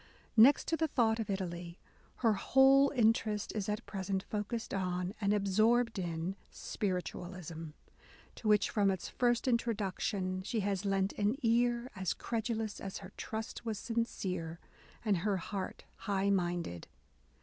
Next to the thought of Italy, her whole interest is at present focussed on, and absorbed in, Spiritualism : to which, from its first introduction, she has lent an ear as credulous as her trust was sincere and her heart high minded."